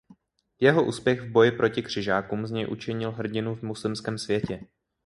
Jeho úspěch v boji proti křižákům z něj učinil hrdinu v muslimském světě.